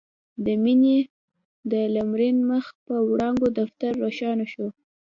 د مينې د لمرين مخ په وړانګو دفتر روښانه شو.